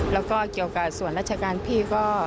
แล้วก็เกี่ยวกับส่วนราชการพี่ก็